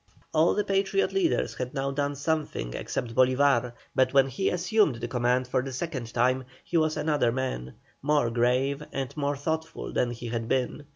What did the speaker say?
All the Patriot leaders had now done something except Bolívar, but when he assumed the command for the second time he was another man: more grave and more thoughtful than he had been.